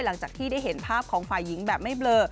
หลังจากที่ได้เห็นภาพของฝ่ายหญิงแบบไม่เบลอ